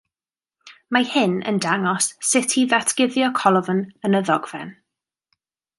Mae hyn yn dangos sut i ddatguddio colofn yn y ddogfen.